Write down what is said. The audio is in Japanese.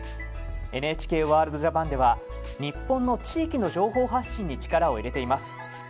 ＮＨＫワールドＪＡＰＡＮでは日本の地域の情報発信に力を入れています。